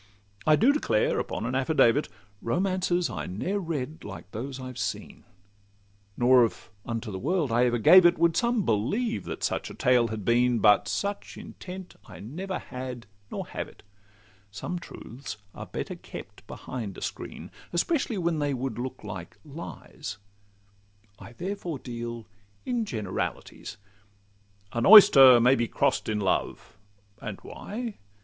I do declare, upon an affidavit, Romances I ne'er read like those I have seen; Nor, if unto the world I ever gave it, Would some believe that such a tale had been: But such intent I never had, nor have it; Some truths are better kept behind a screen, Especially when they would look like lies; I therefore deal in generalities. 'An oyster may be cross'd in love,'—and why?